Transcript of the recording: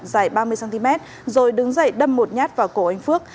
dài ba mươi cm rồi đứng dậy đâm một nhát vào cổ anh phước